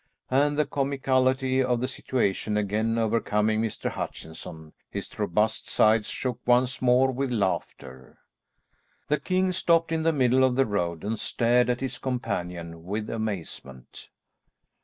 And the comicality of the situation again overcoming Mr. Hutchinson, his robust sides shook once more with laughter. The king stopped in the middle of the road and stared at his companion with amazement.